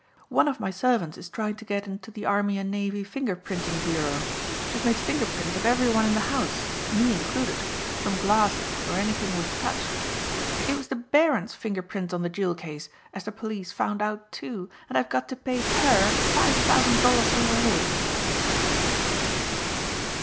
One of my servants is trying to get into the Army and Navy Finger printing Bureau. She's made finger prints of every one in the house me included from glasses or anything we've touched. It was the Baron's finger prints on the jewel case, as the police found out, too, and I've got to pay her five thousand dollars reward!"